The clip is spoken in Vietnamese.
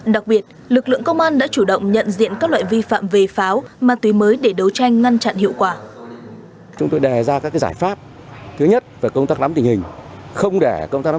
đặc biệt lực lượng công an đã chủ động nhận diện các loại vi phạm về pháo ma túy mới để đấu tranh ngăn chặn hiệu quả